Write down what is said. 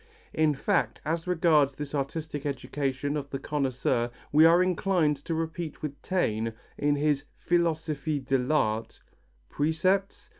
In fact as regards this artistic education of the connoisseur we are inclined to repeat with Taine, in his Philosophie de l'Art: "Precepts?